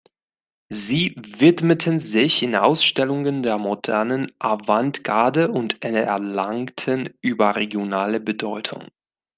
Sie widmeten sich in Ausstellungen der modernen Avantgarde und erlangten überregionale Bedeutung.